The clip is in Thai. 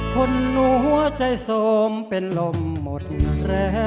คนหัวใจโสมเป็นลมหมดแร้